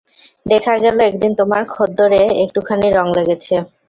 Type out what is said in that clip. দেখা গেল একদিন তোমার খদ্দরে একটুখানি রঙ লেগেছে।